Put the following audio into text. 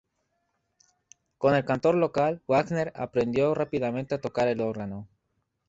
Con el cantor local Wagner aprendió rápidamente a tocar el órgano.